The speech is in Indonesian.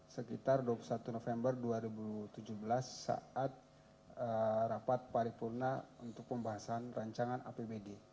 sekitar dua puluh satu november dua ribu tujuh belas saat rapat paripurna untuk pembahasan rancangan apbd